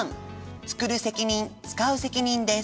「つくる責任つかう責任」です。